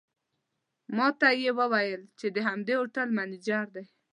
ماته یې وویل چې د همدې هوټل منیجر دی.